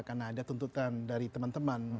karena ada tuntutan dari teman teman